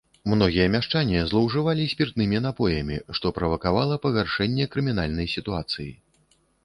Многія мяшчане злоўжывалі спіртнымі напоямі, што правакавала пагаршэнне крымінальнай сітуацыі.